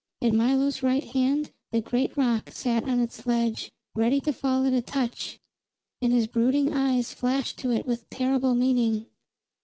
At Milo's right hand the great rock sat on its ledge, ready to fall at a touch, and his brooding eyes flashed to it with terrible meaning.